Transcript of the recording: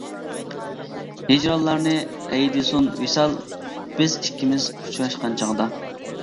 ھىجرانلارنى ھەيدىسۇن ۋىسال، بىز ئىككىمىز ئۇچراشقان چاغدا.